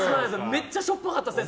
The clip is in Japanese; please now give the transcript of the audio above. めっちゃしょっぱかったですね